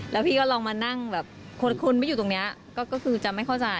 แล้วพี่ก็ลองมานั่งแบบคนไม่อยู่ตรงนี้ก็คือจะไม่เข้าใจ